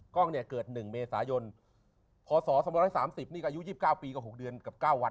กล้องเนี่ยเกิด๑เมษายนพศ๒๓๐นี่ก็อายุ๒๙ปีก็๖เดือนกับ๙วัน